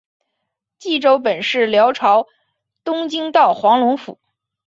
济州本是辽朝东京道黄龙府。